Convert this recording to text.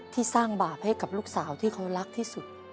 ที่สร้างบาปให้กับลูกสาวที่เขารักที่สุด